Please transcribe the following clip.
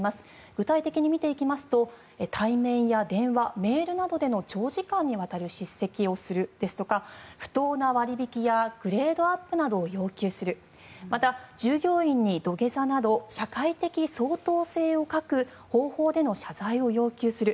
具体的に見ていきますと体面や電話、メールなどでの長時間にわたる叱責をするですとか不当な割引やグレードアップなどを要求するまた、従業員に土下座など社会的相当性を欠く方法での謝罪を要求する